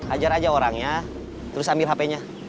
ajar aja orangnya terus ambil hpnya